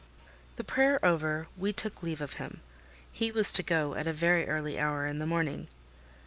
The prayer over, we took leave of him: he was to go at a very early hour in the morning.